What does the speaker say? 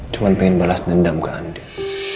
cuman pengen balas dendam ke andin